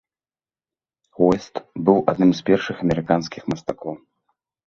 Уэст быў адным з першых амерыканскіх мастакоў.